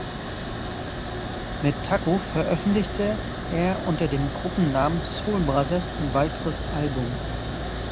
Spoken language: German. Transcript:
Mit Taco veröffentlichte er unter dem Gruppennamen Soul Brothers ein weiteres Album.